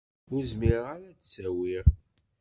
Ur zmireɣ ara ad s-awiɣ.